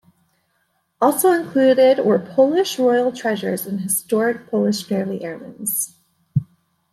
Also included were Polish royal treasures and historic Polish family heirlooms.